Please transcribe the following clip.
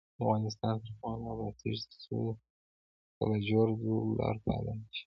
افغانستان تر هغو نه ابادیږي، ترڅو د لاجوردو لار فعاله نشي.